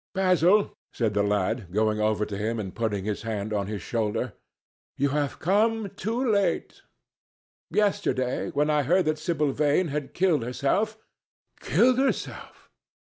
"Basil," said the lad, going over to him and putting his hand on his shoulder, "you have come too late. Yesterday, when I heard that Sibyl Vane had killed herself—" "Killed herself!